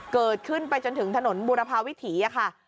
เกิดขึ้นไปจนถึงถนนบุรพาวิถีค่ะ